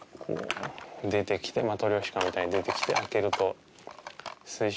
マトリョーシカみたいに出てきて開けると。